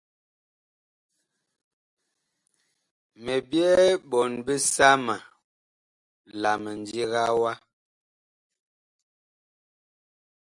Mi byɛɛ ɓɔɔn bisama la mindiga wa.